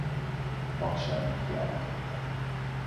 A Paks ellen kiállították.